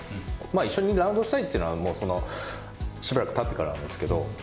一緒にラウンドしたりっていうのはしばらく経ってからなんですけど。